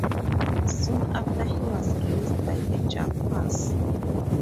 Soon after he was released by the Jaguars.